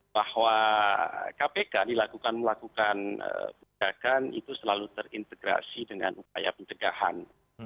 bahwa kpk dilakukan melakukan penjagaan itu selalu terintegrasi dengan upaya pencegahan